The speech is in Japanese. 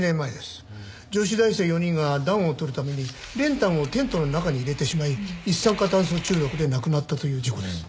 女子大生４人が暖をとるために練炭をテントの中に入れてしまい一酸化炭素中毒で亡くなったという事故です。